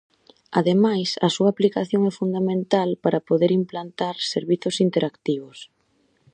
Ademais, a súa aplicación é fundamental para poder implantar servizos interactivos.